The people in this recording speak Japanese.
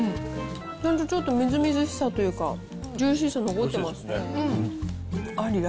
ちょっとみずみずしさというか、ジューシーさ、残ってますね。